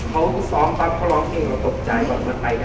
คุณคิดคุณทำอย่างนี้ค่ะคุณคิดคุณทำอย่างนี้ค่ะ